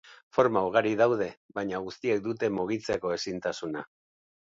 Forma ugari daude, baina guztiek dute mugitzeko ezintasuna.